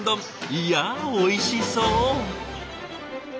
いやおいしそう。